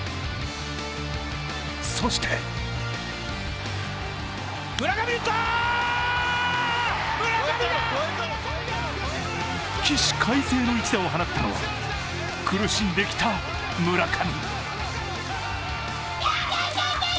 そして起死回生の一打を放ったのは苦しんできた村上。